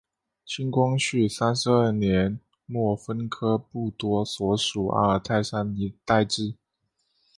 清光绪三十二年末分科布多所属阿尔泰山一带置。